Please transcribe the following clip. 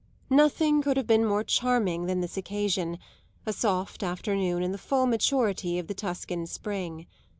Nothing could have been more charming than this occasion a soft afternoon in the full maturity of the Tuscan spring.